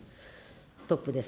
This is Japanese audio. トップです。